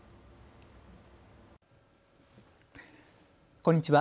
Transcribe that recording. こんにちは。